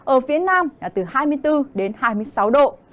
ở phía nam là từ hai mươi bốn đến hai mươi sáu độ